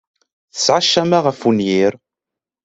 Tesɛa ccama ɣef wenyir.